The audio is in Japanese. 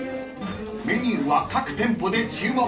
［メニューは各店舗で注文］